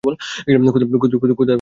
খোদার গজব পড়েছে!